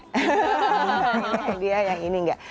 ini hadiah yang ini nggak